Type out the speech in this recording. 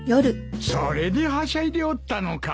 それではしゃいでおったのか。